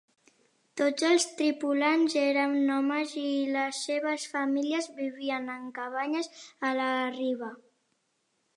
Tots els tripulants eren homes i les seves famílies vivien en cabanyes a la riba.